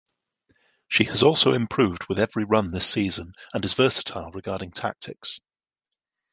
She has also improved with every run this season and is versatile regarding tactics.